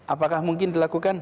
apakah mungkin dilakukan